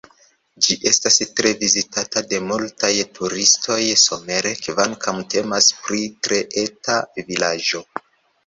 Ĝi estas tre vizitata de multaj turistoj somere, kvankam temas pri tre eta vilaĝo.